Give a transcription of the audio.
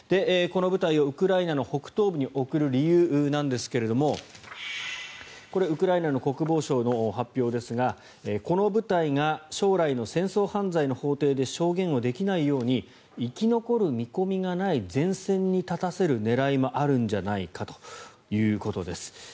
この部隊をウクライナの北東部に送る理由なんですがウクライナの国防省の発表ですがこの部隊が将来の戦争犯罪の法廷で証言ができないように生き残る見込みがない前線に立たせる狙いもあるんじゃないかということです。